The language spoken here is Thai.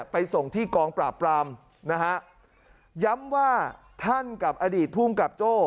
ไปส่งที่กองปราบปรามนะฮะย้ำว่าท่านกับอดีตภูมิกับโจ้